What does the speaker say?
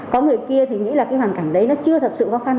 có người kia thì nghĩ là cái hoàn cảnh đấy nó chưa thật sự khó khăn